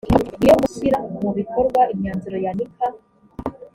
iyo gushyira mu bikorwa imyanzuro ya nika